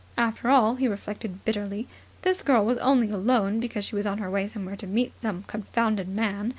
After all, he reflected bitterly, this girl was only alone because she was on her way somewhere to meet some confounded man.